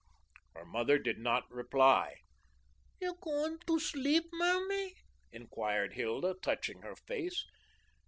Her mother did not reply. "You going to sleep, Mammy?" inquired Hilda, touching her face.